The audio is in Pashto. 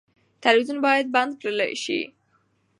تلویزیون باید بند کړل شي.